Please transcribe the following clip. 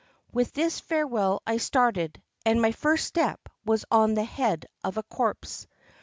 With this farewell I started, and my first step was on the head of a corpse.